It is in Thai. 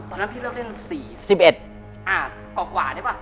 ตอนนั้นพี่เริ่มเร่งมัน๑๑เกือบ๔๒อ่ะ